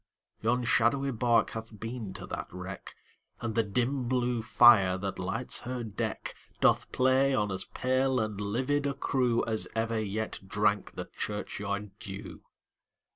Yon shadowy bark hath been to that wreck, And the dim blue fire, that lights her deck, Doth play on as pale and livid a crewAs ever yet drank the churchyard dew.